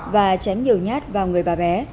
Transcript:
và chém nhiều nhát vào người bà bé